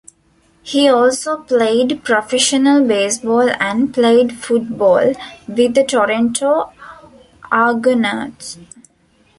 He also played professional baseball and played football with the Toronto Argonauts.